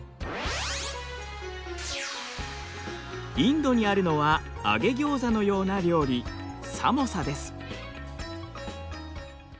インドにあるのは揚げギョーザのような料理サモサです。